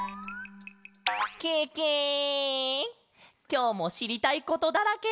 きょうもしりたいことだらけ！